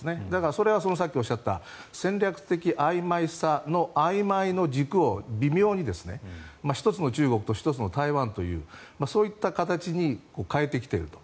それはさっきおっしゃった戦略的あいまいさのあいまいの軸を微妙に一つの中国と一つの台湾というそういった形に変えてきていると。